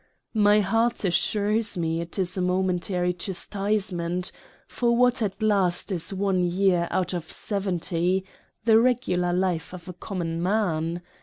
My Heart assures me 'tis a momentary Chastisement ; for what at last is one year out of 70 — the regular life of a Common Man